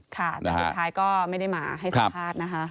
ค่ะแต่สุดท้ายก็ไม่ได้มาให้สัมภาษณ์นะคะ